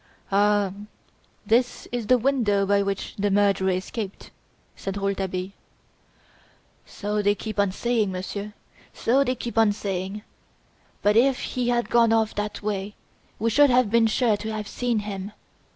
"Ah! This is the window by which the murderer escaped!" said Rouletabille. "So they keep on saying, monsieur, so they keep on saying! But if he had gone off that way, we should have been sure to have seen him.